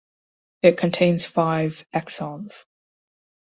It contains five exons.